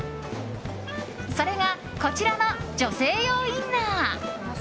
それが、こちらの女性用インナー。